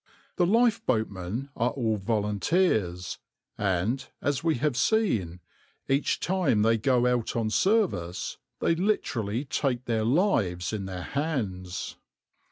The lifeboatmen are all volunteers, and, as we have seen, each time they go out on service they literally take their lives in their hands.